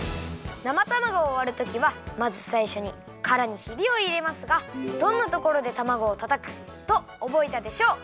「生たまごをわるときはまずさいしょにからにひびをいれますがどんなところでたまごをたたくとおぼえたでしょう？」。